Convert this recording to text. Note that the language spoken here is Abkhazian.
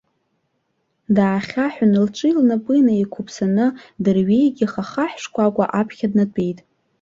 Даахьаҳәын, лҿи лнапи неиқәыԥсаны дырҩегьых ахаҳә шкәакәа аԥхьа днатәеит.